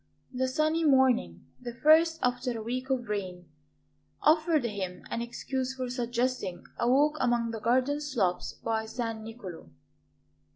The sunny morning, the first after a week of rain, offered him an excuse for suggesting a walk among the garden slopes by San Niccolo.